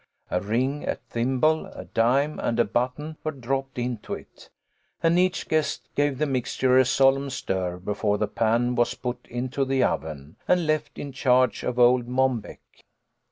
A ring, a thimble, a dime, and a button were dropped into it, and each guest gave the mixture a solemn stir before the pan was put into the oven, and left in charge of old Mom Beck.